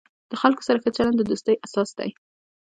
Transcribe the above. د خلکو سره ښه چلند، د دوستۍ اساس دی.